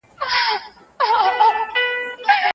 ګوګل او نور شرکتونه پښتو ته ارزښت ورکوي.